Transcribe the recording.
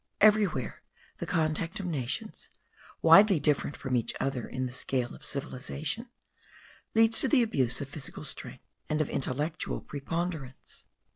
Everywhere the contact of nations, widely different from each other in the scale of civilization, leads to the abuse of physical strength, and of intellectual preponderance.